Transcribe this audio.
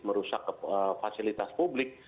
merusak fasilitas publik